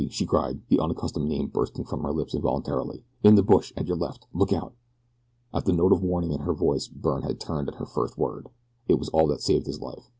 she cried, the unaccustomed name bursting from her lips involuntarily. "In the bush at your left look out!" At the note of warning in her voice Byrne had turned at her first word it was all that saved his life.